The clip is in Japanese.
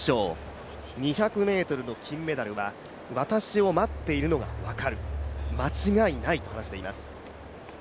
２００ｍの金メダルは私を待っているのが分かる、間違いないと話しています。